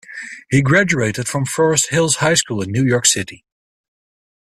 He graduated from Forest Hills High School in New York City.